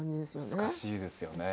難しいですよね